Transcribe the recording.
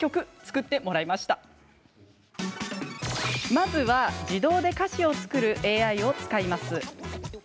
まずは、自動で歌詞を作るＡＩを使います。